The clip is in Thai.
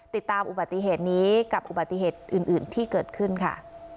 ติดตามอุบัติเหตุนี้กับอุบัติเหตุอื่นที่เกิดขึ้นค่ะ